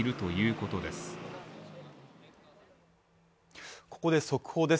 ここで速報です